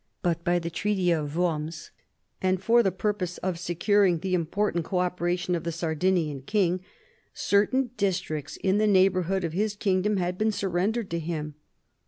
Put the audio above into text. But by the Treaty of Worms, and for the purpose of securing the important co operation of the Sardinian king, certain districts in the neighbourhood of his kingdom had been surrendered to him.